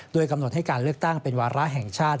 โดยกำหนดให้การเลือกตั้งเป็นวาระแห่งชาติ